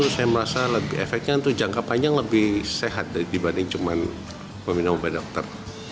saya merasa efeknya itu jangka panjang lebih sehat dibanding cuma meminum obat dokter